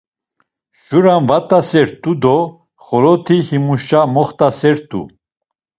Şura mvat̆asert̆u do xoloti himuşa moxt̆asert̆u.